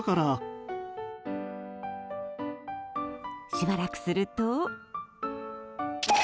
しばらくすると。